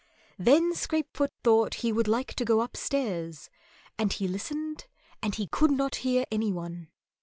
Then Scrapefoot thought he would like to go upstairs; and he listened and he could not hear any one.